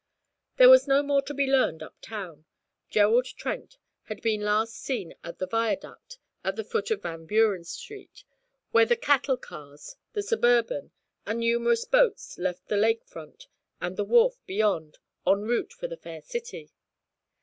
There was no more to be learned up town. Gerald Trent had been last seen at the viaduct at the foot of Van Buren Street, where the 'cattle cars,' the 'Suburban,' and numerous boats left the Lake Front and the wharf beyond en route for the Fair City.